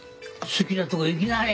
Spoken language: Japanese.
「好きなとこ行きなはれ！」。